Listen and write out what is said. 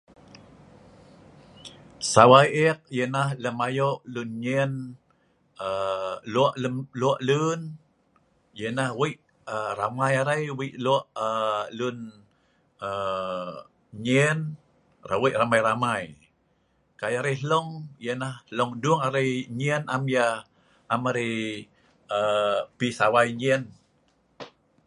Sawai ek yah nah lem ayo lun nyen, lok lun yah nah wei ramai arai, wei lok lun nyen wei ramai-ramai. kai arai hlong, hlong duung arai nyen am arai pi sawai nyen